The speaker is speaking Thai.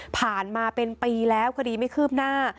ผ่านมาเป็นปีแล้วคดีไม่คืบหน้า